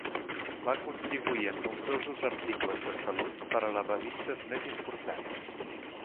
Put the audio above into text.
Va contribuir en nombrosos articles de salut per a les revistes més importants.